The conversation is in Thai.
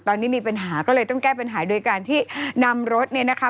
ตอนนี้มีปัญหาก็เลยต้องแก้ปัญหาโดยการที่นำรถเนี่ยนะคะ